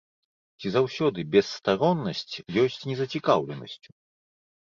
Ці заўсёды бесстароннасць ёсць незацікаўленасцю?